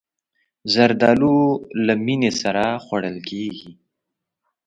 زردالو له مینې سره خوړل کېږي.